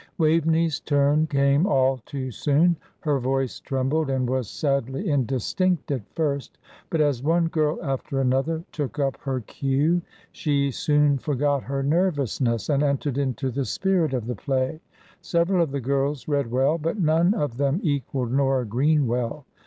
Waveney's turn came all too soon. Her voice trembled, and was sadly indistinct, at first: but as one girl after another took up her cue, she soon forgot her nervousness, and entered into the spirit of the play. Several of the girls read well, but none of them equalled Nora Greenwell.